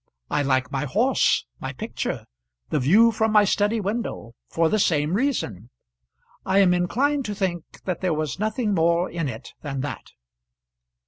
I like my horse, my picture, the view from my study window for the same reason. I am inclined to think that there was nothing more in it than that.